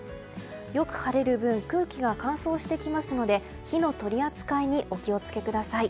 よく晴れる分空気が乾燥してきますので火の取り扱いにお気を付けください。